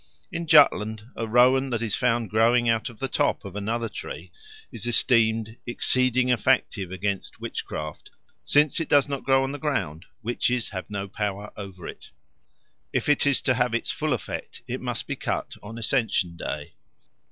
In Jutland a rowan that is found growing out of the top of another tree is esteemed "exceedingly effective against witchcraft: since it does not grow on the ground witches have no power over it; if it is to have its full effect it must be cut on Ascension Day."